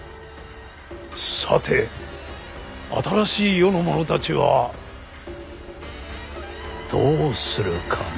さて新しい世の者たちはどうするかな？